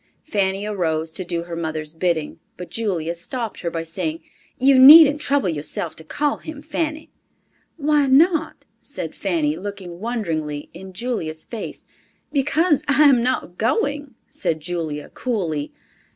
Fanny arose to do her mother's bidding, but Julia stopped her by saying, "You needn't trouble yourself to call him, Fanny." "Why not?" said Fanny, looking wonderingly in Julia's face. "Because I am not going," said Julia coolly.